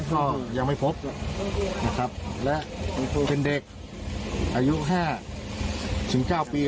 ก็ยังไม่พบและเป็นเด็กอายุ๕ถึง๙ปี